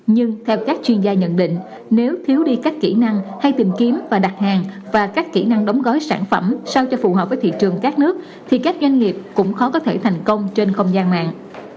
nhưng theo các chuyên gia nhận định nếu thiếu đi các kỹ năng hay tìm kiếm và đặt hàng và các kỹ năng đóng gói sản phẩm sao cho phù hợp với thị trường các nước thì các doanh nghiệp cũng khó có thể thành công trên không gian mạng